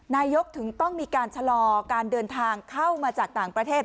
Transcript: นายกถึงต้องมีการชะลอการเดินทางเข้ามาจากต่างประเทศ